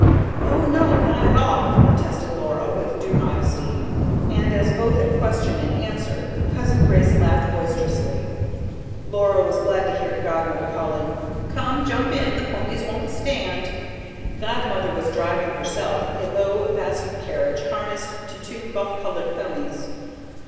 "Oh no, not at all," protested Laura with due modesty; and as both at question and answer Cousin Grace laughed boisterously, Laura was glad to hear Godmother calling: "Come, jump in. The ponies won't stand." Godmother was driving herself a low basket carriage, harnessed to two buff coloured ponies.